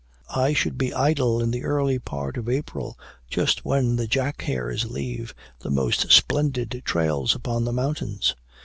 I should be idle in the early part of April, just when the jack hares leave the most splendid trails upon the mountains.